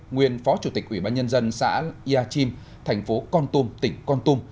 nguyên phó chủ tịch ủy ban nhân dân xã iachim thành phố con tum tỉnh con tum